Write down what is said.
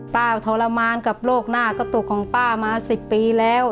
ทรมานกับโรคหน้ากระตุกของป้ามา๑๐ปีแล้ว